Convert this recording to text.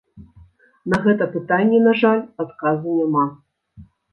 На гэта пытанне, на жаль, адказу няма.